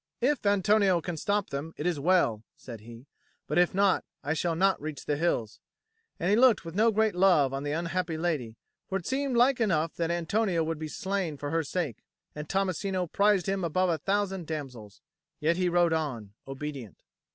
"If Antonio can stop them, it is well," said he; "but if not, I shall not reach the hills;" and he looked with no great love on the unhappy lady, for it seemed like enough that Antonio would be slain for her sake, and Tommasino prized him above a thousand damsels. Yet he rode on, obedient.